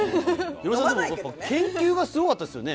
ヒロミさん、研究がすごかったですよね。